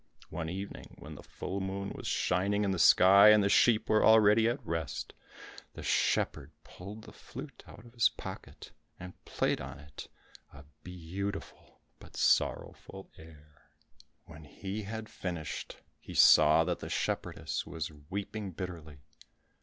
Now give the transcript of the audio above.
One evening when the full moon was shining in the sky, and the sheep were already at rest, the shepherd pulled the flute out of his pocket, and played on it a beautiful but sorrowful air. When he had finished he saw that the shepherdess was weeping bitterly.